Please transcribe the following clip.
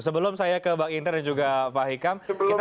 sebelum saya ke bang inter dan juga pak hikam